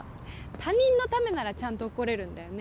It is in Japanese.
他人のためならちゃんと怒れるんだよね。